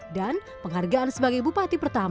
dan penghargaan sebagai bupati